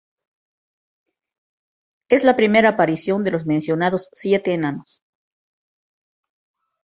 Es la primera aparición de los mencionados siete enanos.